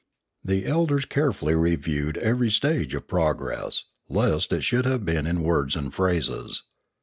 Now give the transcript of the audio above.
The elders carefully reviewed every stage of progress, lest it should have been in words and phrases.